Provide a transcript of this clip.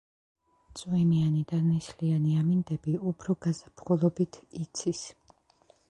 წვიმიანი და ნისლიანი ამინდები უფრო გაზაფხულობით იცის.